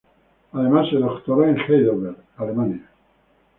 Además se doctoró en Heidelberg, Alemania.